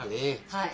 はい。